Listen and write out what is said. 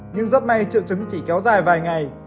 nhưng rất may triệu chứng chỉ kéo dài vài ngày